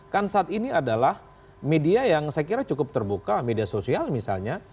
kan saat ini adalah media yang saya kira cukup terbuka media sosial misalnya